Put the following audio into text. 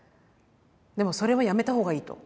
でもそれはやめた方がいいと。